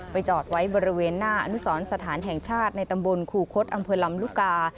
จอดไว้บริเวณหน้าอนุสรสถานแห่งชาติในตำบลครูคดอำเภอลำลูกกา